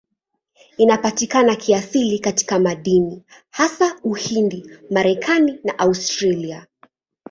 Inapatikana kiasili katika madini, hasa Uhindi, Marekani na Australia.